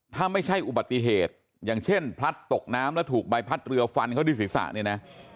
ถ้าไม่ใช่อุบัติเหตุอย่างเช่นพลัดตกน้ำแล้วถูกใบพัดเรือฟันเขาที่ศีรษะเนี่ยนะ